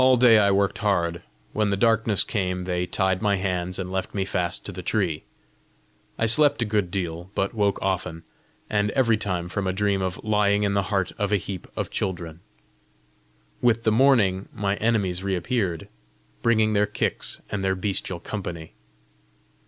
All day I worked hard. When the darkness came, they tied my hands, and left me fast to the tree. I slept a good deal, but woke often, and every time from a dream of lying in the heart of a heap of children. With the morning my enemies reappeared, bringing their kicks and their bestial company.